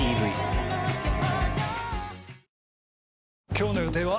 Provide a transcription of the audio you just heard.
今日の予定は？